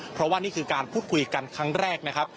เพราะว่านี่คือการพูดคุยกันครั้งแรกนะครับ